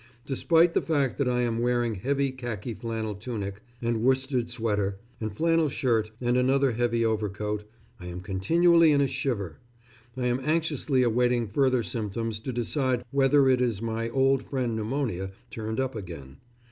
Despite the fact that I am wearing heavy khaki flannel tunic, and worsted sweater, and flannel shirt, and another heavy overcoat, I am continually in a shiver. I am anxiously awaiting further symptoms to decide whether it is my old friend pneumonia turned up again.